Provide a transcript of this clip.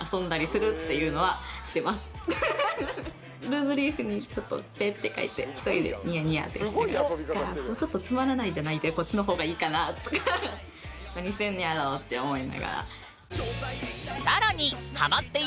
ルーズリーフにちょっとペッて書いて１人でニヤニヤってしながらいやここちょっとつまらないじゃないってこっちの方がいいかな？とか何してんねやろって思いながら。